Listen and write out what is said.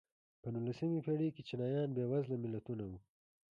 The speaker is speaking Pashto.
په نولسمې پېړۍ کې چینایان بېوزله ملتونه وو.